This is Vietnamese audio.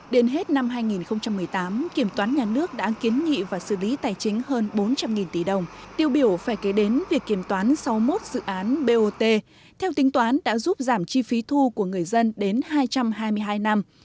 đến hết năm hai nghìn một mươi tám kiểm toán nhà nước đã kiến nghị và xử lý tài chính hơn bốn trăm linh tỷ đồng tiêu biểu phải kế đến việc kiểm toán sáu mươi một dự án bot theo tính toán đã giúp giảm chi phí thu của người dân đến hai trăm hai mươi hai năm